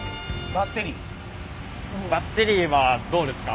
バッテリーはどうですか？